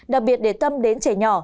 đặc biệt để tâm đến trẻ nhỏ